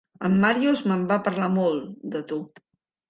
El Màrius me'n va parlar molt, de tu.